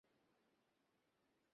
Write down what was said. অবশ্যই কিছু সীমাবদ্ধতাও রয়েছে।